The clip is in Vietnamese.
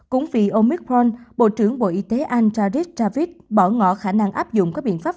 cũng vì omicron bộ trưởng bộ y tế antardis david bỏ ngỏ khả năng áp dụng các biện pháp